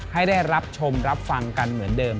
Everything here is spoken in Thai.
ให้ได้รับชมรับฟังกันเหมือนเดิม